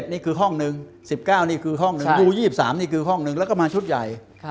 นี่คือห้องหนึ่ง๑๙นี่คือห้องหนึ่งยู๒๓นี่คือห้องหนึ่งแล้วก็มาชุดใหญ่